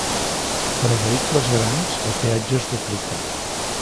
Per a vehicles grans, el peatge es duplica.